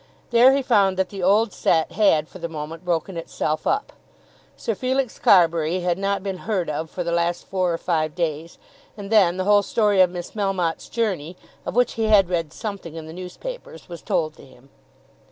There he found that the old set had for the moment broken itself up. Sir Felix Carbury had not been heard of for the last four or five days, and then the whole story of Miss Melmotte's journey, of which he had read something in the newspapers, was told to him.